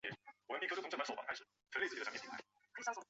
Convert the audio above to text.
锥唇吻沙蚕为吻沙蚕科吻沙蚕属的动物。